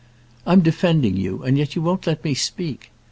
"I'm defending you, and yet you won't let me speak.